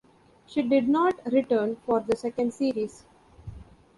She did not return for the second series.